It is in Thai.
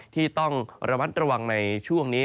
ที่ต้องระมัดระวังในช่วงนี้